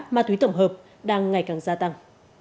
những tổng hợp đang ngày càng gia tăng